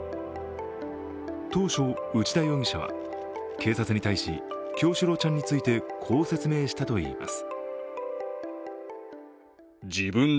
当初、内田容疑者は警察に対し、叶志郎ちゃんについてこう説明したといいます。